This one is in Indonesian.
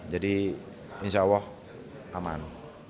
jadi insya allah aman